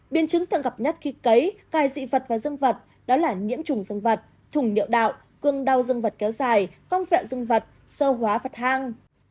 biên chứng thường gặp nhất khi cấy cài dị vật và dân vật đó là nhiễm trùng dân vật thùng niệu đạo cương đau dân vật kéo dài cong vẹo dân vật sâu hóa vật hang